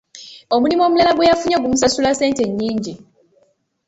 Omulimu omulala gwe yafunye gumusasula ssente nnyingi.